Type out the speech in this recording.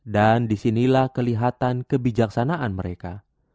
dan disinilah kelihatan kebijaksanaan mereka